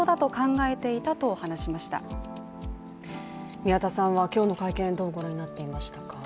宮田さんは今日の会見、どうご覧になっていましたか？